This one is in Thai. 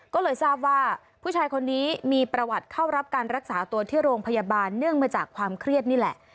ก็เลยทราบว่าผู้ชายคนนี้มีประวัติเข้ารับการรักษาตัวที่โรงพยาบาลเนื่องมาจากความเครียดนี่แหละ